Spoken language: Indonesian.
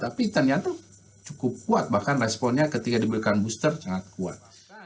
tapi ternyata cukup kuat bahkan responnya ketika diberikan booster sangat kuat